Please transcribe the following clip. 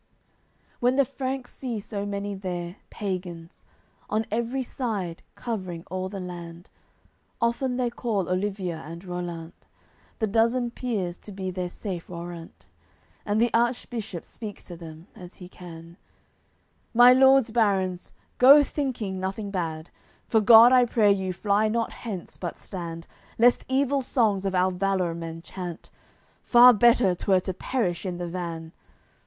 AOI. CXIII When the Franks see so many there, pagans, On every side covering all the land, Often they call Olivier and Rollant, The dozen peers, to be their safe warrant. And the Archbishop speaks to them, as he can: "My lords barons, go thinking nothing bad! For God I pray you fly not hence but stand, Lest evil songs of our valour men chant! Far better t'were to perish in the van.